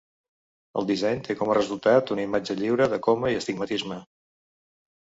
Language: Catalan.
El disseny té com a resultat una imatge lliure de coma i astigmatisme.